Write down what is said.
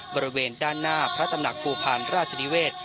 บริเวณด้านหน้าพระตำหนักภูพาลราชนิเวศ